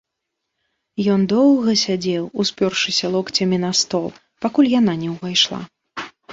Ён доўга сядзеў, успёршыся локцямі на стол, пакуль яна не ўвайшла.